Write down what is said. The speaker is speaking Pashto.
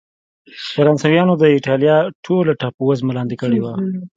فرانسویانو د اېټالیا ټوله ټاپو وزمه لاندې کړې وه.